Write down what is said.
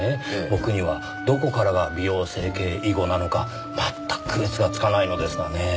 僕にはどこからが美容整形以後なのかまったく区別がつかないのですがねぇ。